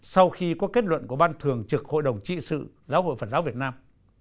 sau khi có kết luận của ban thường trực hội đồng trị sự giáo hội phật giáo việt nam